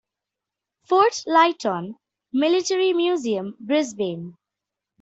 Fort Lytton Military Museum, Brisbane.